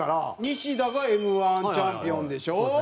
西田がＭ−１チャンピオンでしょ。